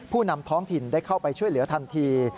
นำท้องถิ่นได้เข้าไปช่วยเหลือทันที